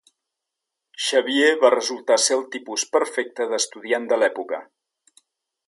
Xavier va resultar ser el tipus perfecte d'estudiant de l'època.